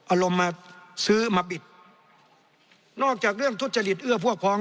อารมณ์มาซื้อมาบิดนอกจากเรื่องทุจริตเอื้อพวกพ้อง